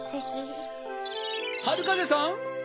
はるかぜさん？